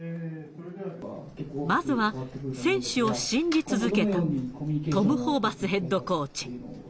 まずは選手を信じ続けたトム・ホーバスヘッドコーチ。